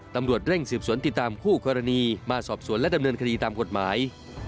ตำรวจเร่งสืบสวนติดตามคู่กรณีมาสอบสวนและดำเนินคดีตามกฎหมาย